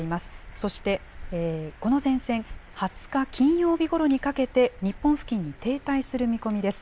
そしてこの前線、２０日金曜日ごろにかけて、日本付近に停滞する見込みです。